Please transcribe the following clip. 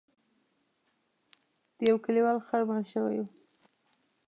د یو کلیوال خر مړ شوی و.